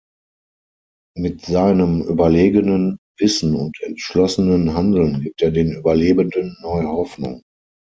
Mit seinem überlegenen Wissen und entschlossenen Handeln gibt er den Überlebenden neue Hoffnung.